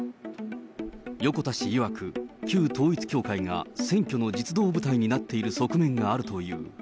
横田氏いわく、旧統一教会が選挙の実働部隊になっている側面があるという。